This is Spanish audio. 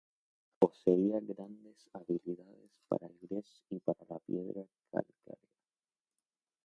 Poseía grandes habilidades para el gres y para la piedra calcárea.